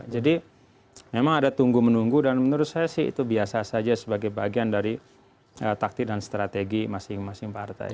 jadi memang ada tunggu menunggu dan menurut saya sih itu biasa saja sebagai bagian dari taktik dan strategi masing masing partai